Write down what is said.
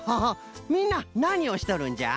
みんななにをしとるんじゃ？